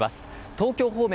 東京方面